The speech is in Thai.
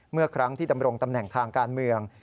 เมื่อครั้งที่ดำรงตำแหน่งทางการเมือง